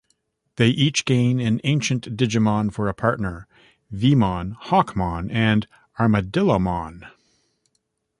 They each gain an ancient Digimon for a partner: Veemon, Hawkmon and Armadillomon.